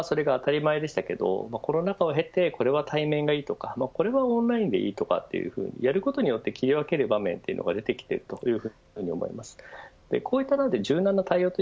今まではそれが当たり前でしたけどコロナ禍を経てこれは対面がいいとかこれはオンラインでいいとかやることによって切り分ける場面が出てきているというふうに思います。